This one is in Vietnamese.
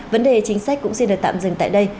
vấn đề chính sách cũng xin được tạm dừng tại đây